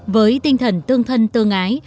với tinh thần tương thân tương ái